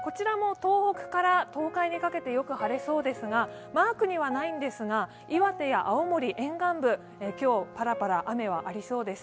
東北から東海にかけてよく晴れそうですがマークにはないんですが岩手や青森沿岸部、今日パラパラ雨はありそうです。